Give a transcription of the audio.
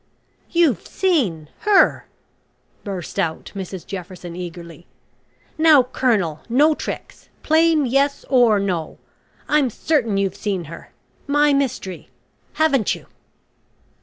"You've seen her," burst out Mrs Jefferson eagerly. "Now Colonel, no tricks plain yes or no; I'm certain sure you've seen her my Mystery. Haven't you?"